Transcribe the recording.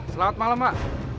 selamat malam pak